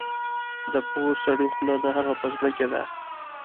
د پوه سړي خوله د هغه په زړه کې ده.